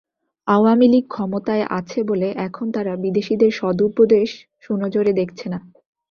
আওয়ামী লীগ ক্ষমতায় আছে বলে এখন তারা বিদেশিদের সদুপদেশ সুনজরে দেখছে না।